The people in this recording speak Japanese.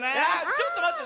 ちょっとまって。